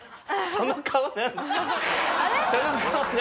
その顔なんですか？